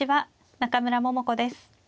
中村桃子です。